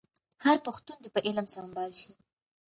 هر پښتون دي په علم سمبال شي.